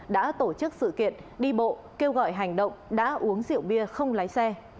đã tổ chức sự kiện đi bộ kêu gọi hành động đã uống rượu bia không lái xe